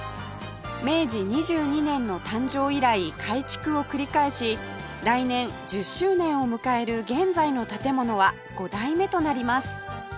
明治２２年の誕生以来改築を繰り返し来年１０周年を迎える現在の建物は５代目となります